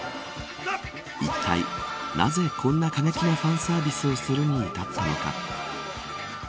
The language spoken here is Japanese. いったいなぜこんな過激なファンサービスをするに至ったのか。